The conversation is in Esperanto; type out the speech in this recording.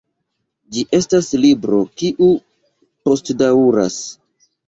Ĝi estas libro kiu postdaŭras.